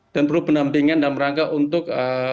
dan perlu pendampingan dan merangkak untuk